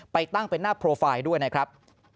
ไปตั้งเป็นหน้าโปรไฟล์ด้วยนะครับ